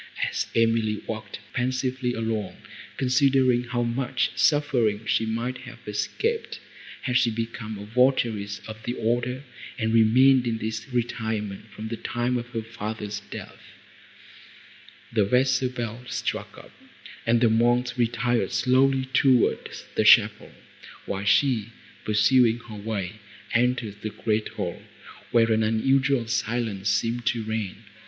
As Emily walked pensively along, considering how much suffering she might have escaped, had she become a votaress of the order, and remained in this retirement from the time of her father's death, the vesper bell struck up, and the monks retired slowly toward the chapel, while she, pursuing her way, entered the great hall, where an unusual silence seemed to reign.